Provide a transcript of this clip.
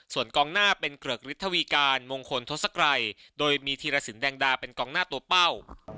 ส่วนกองหน้าเป็นเกริกฤทธวีการมงคลทศกรัยโดยมีธีรสินแดงดาเป็นกองหน้าตัวเป้า